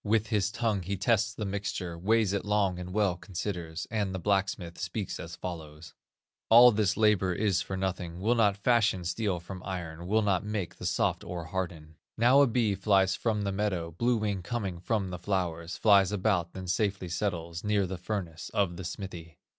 With his tongue he tests the mixture, Weighs it long and well considers, And the blacksmith speaks as follows: 'All this labor is for nothing, Will not fashion steel from iron, Will not make the soft ore harden.' "Now a bee flies from the meadow, Blue wing coming from the flowers, Flies about, then safely settles Near the furnace of the smithy.